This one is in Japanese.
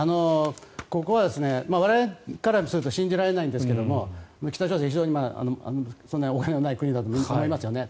ここは我々からすると信じられないんですけれど北朝鮮、非常にお金がない国だと思いますよね。